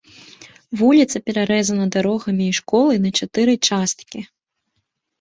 Вуліца перарэзана дарогамі і школай на чатыры часткі.